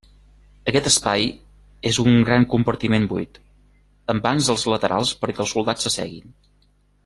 Aquest espai és un gran compartiment buit, amb bancs als laterals perquè els soldats s'asseguin.